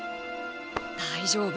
大丈夫。